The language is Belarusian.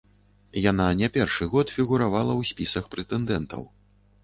Яна не першы год фігуравала ў спісах прэтэндэнтаў.